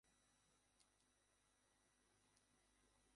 ব্যথা পাচ্ছি আমি!